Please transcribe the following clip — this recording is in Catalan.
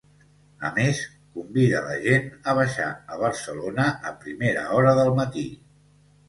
A més, convida la gent a baixar a Barcelona a primera hora del matí.